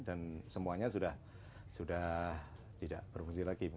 dan semuanya sudah tidak berfungsi lagi